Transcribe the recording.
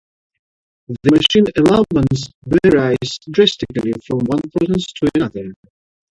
The machining allowance varies drastically from one process to another.